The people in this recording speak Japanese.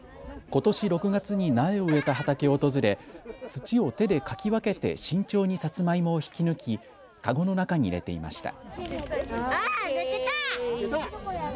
ことし６月に苗を植えた畑を訪れ土を手でかき分けて慎重にさつまいもを引き抜きかごの中に入れていました。